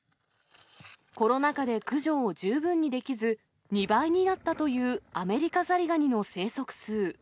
コロナ禍で駆除を十分にできず、２倍になったというアメリカザリガニの生息数。